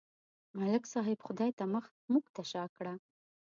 ملک صاحب خدای ته مخ، موږ ته شا کړه.